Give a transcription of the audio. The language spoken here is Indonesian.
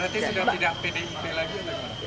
berarti sudah tidak pdip lagi